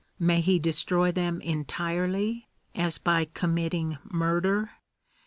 may he destroy them entirely, as by committing murder ?